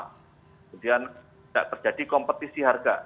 kemudian tidak terjadi kompetisi harga